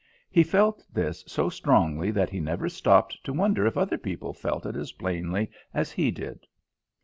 He felt this so strongly that he never stopped to wonder if other people felt it as plainly as he did.